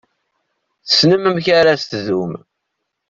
Tessnem amek ara s-teddum.